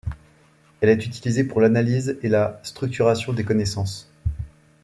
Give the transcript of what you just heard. Elle est utilisée pour l'analyse et la structuration des connaissances.